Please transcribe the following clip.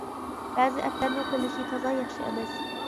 بەزى ئەپلەرنى قوللىشى تازا ياخشى ئەمەس.